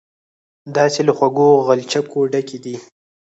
داسې له خوږو غلچکو ډکې دي.